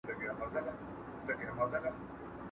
ډبره چي پر ځاى پرته وي سنگينه ده.